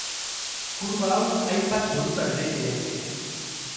Kurba hau hainbat modutan eraiki daiteke.